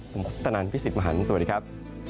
ผมคุปตนันพี่สิทธิ์มหันฯสวัสดีครับ